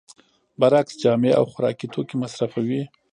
برعکس جامې او خوراکي توکي مصرفوي